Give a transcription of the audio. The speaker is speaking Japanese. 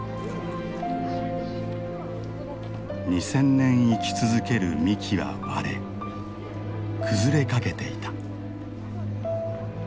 ２，０００年生き続ける幹は割れ崩れかけていた。